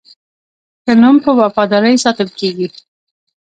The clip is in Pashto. ښه نوم په وفادارۍ ساتل کېږي.